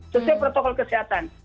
sesuai protokol kesehatan